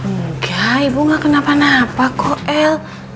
nggak ibu gak kenapa napa kok el